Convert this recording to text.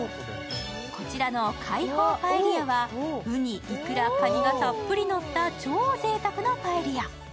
こちらの海宝パエリアはうに、いくら、カニがたっぷりのった超ぜいたくなパエリア。